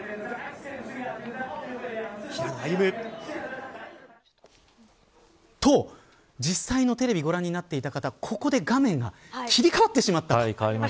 平野歩夢。と実際のテレビご覧になっていた方ここで画面が切り替わってしまった。